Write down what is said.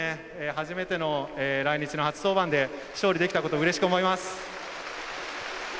初めての来日の初登板で勝利できたことうれしく思います。